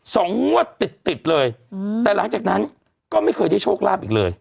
สองงวดติดติดเลยอืมแต่หลังจากนั้นก็ไม่เคยได้โชคลาภอีกเลย